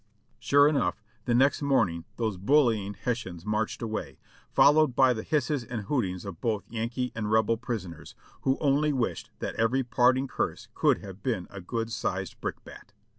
Sure enough, the next morning those bullying Hessians marched away, followed by the hisses and hootings of both Yankee and Rebel prisoners, who only wished that every parting curse could have been a good sized brickbat.